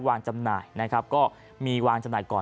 จำหน่ายนะครับก็มีวางจำหน่ายก่อน